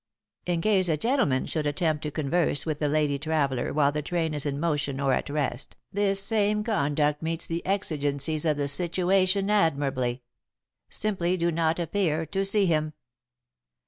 [Sidenote: Appeal to the Conductor] "'In case a gentleman should attempt to converse with the lady traveller while the train is in motion or at rest, this same conduct meets the exigencies of the situation admirably: simply do not appear to see him.